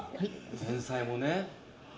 前菜もね。